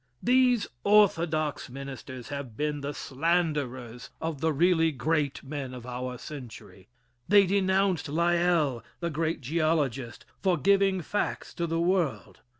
These orthodox ministers have been the slanderers of the really great men of our century. They denounced Lyell, the great geologist, for giving facts to the world.